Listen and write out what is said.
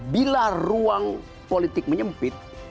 bila ruang politik menyempit